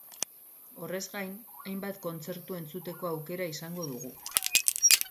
Horrez gain, hainbat kontzertu entzuteko aukera izango dugu.